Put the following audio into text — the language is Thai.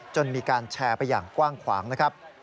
มีการแชร์ไปอย่างกว้างขวางนะครับ